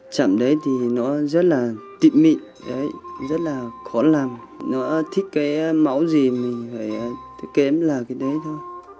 chạm đấy thì nó rất là tịnh mịn rất là khó làm nó thích cái máu gì mình phải kếm là cái đấy thôi